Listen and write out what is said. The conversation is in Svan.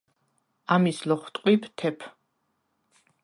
ამის ლოხტყვიბ თეფ.